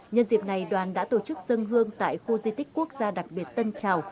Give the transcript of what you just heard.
nhân dịp này đoàn đã tổ chức dân hương tại khu di tích quốc gia đặc biệt tân trào